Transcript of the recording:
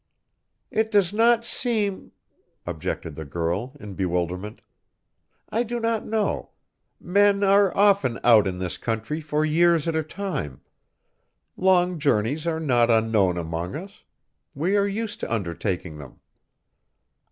"It does not seem " objected the girl in bewilderment, "I do not know men are often out in this country for years at a time. Long journeys are not unknown among us. We are used to undertaking them."